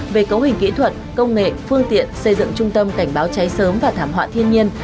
về cấu hình kỹ thuật công nghệ phương tiện xây dựng trung tâm cảnh báo cháy sớm và thảm họa thiên nhiên